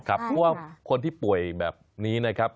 เพราะว่าคนที่ป่วยแบบนี้นะครับ